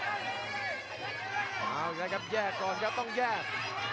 เอาละครับแยกก่อนครับต้องแยก